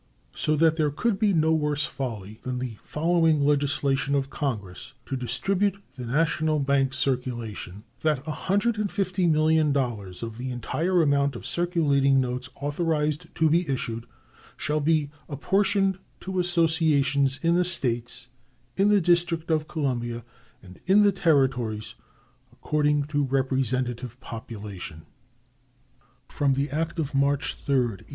So that there could be no worse folly than the following legislation of Congress to distribute the national bank circulation: "That $150,000,000 of the entire amount of circulating notes authorized to be issued shall be apportioned to associations in the States, in the District of Columbia, and in the Territories, according to representative population" (act of March 3, 1865).